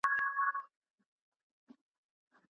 تا ویل چي غشیو ته به ټینګ لکه پولاد سمه.